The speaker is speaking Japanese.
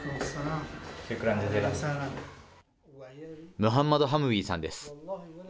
ムハンマド・ハムウィさんです。